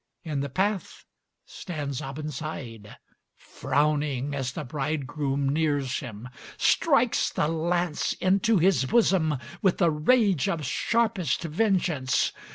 In the path stands Abensaïd, frowning, as the bridegroom nears him; Strikes the lance into his bosom, with the rage of sharpest vengeance.